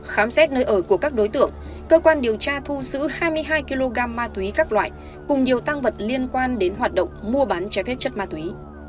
khám xét nơi ở của các đối tượng cơ quan điều tra thu giữ hai mươi hai kg ma túy các loại cùng nhiều tăng vật liên quan đến hoạt động mua bán trái phép chất ma túy